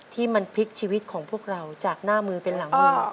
ที่มันพลิกชีวิตของพวกเราจากหน้ามือเป็นหลังมือ